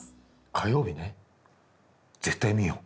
火曜日ね絶対見よう。